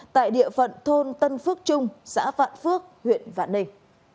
tại địa phận thôn tân phước trung xã vạn phước huyện vạn ninh